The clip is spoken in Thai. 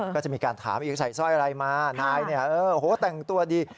ก็จะมีการถามอีกใส่สร้อยอะไรมานายเนี่ยโอ้โหแต่งตัวดี